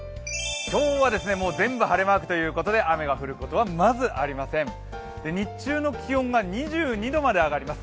今日は全部晴れマークということで雨が降ることはまずありません、日中の気温が２２度まで上がります。